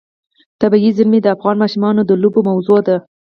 طبیعي زیرمې د افغان ماشومانو د لوبو موضوع ده.